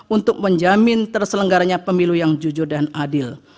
untuk menjamin terselenggaranya pemilu yang jujur dan adil